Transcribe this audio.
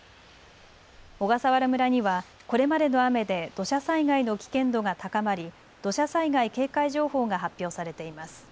小笠原村にはこれまでの雨で土砂災害の危険度が高まり土砂災害警戒情報が発表されています。